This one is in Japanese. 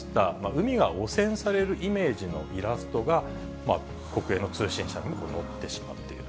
海が汚染されるイメージのイラストが、国営の通信社に載ってしまっている。